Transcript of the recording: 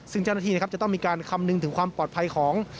ซึ่งเจ้าหน้าที่นะครับจะต้องมีการคำนึงถึงความปลอดภัยของ